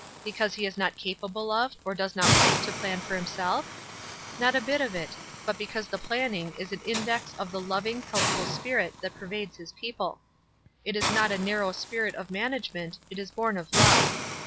Because he is not capable of or does not like to plan for himself? a bit of it ; but because the planning is an index of the loving, helpful spirit that pervades his people. It is not a narrow spirit of manage ment, it is born of love.